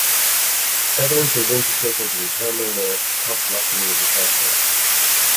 Evidence is insufficient to determine if tonsillectomy is effective.